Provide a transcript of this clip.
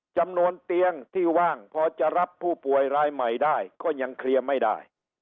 จำนวนเตียงที่ว่างพอจะรับผู้ป่วยรายใหม่ได้ก็ยังเคลียร์ไม่ได้